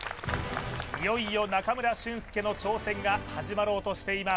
いよいよ中村俊輔の挑戦が始まろうとしています